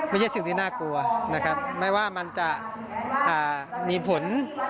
ไม่ใช่สิ่งที่น่ากลัวนะครับไม่ว่ามันจะมีผล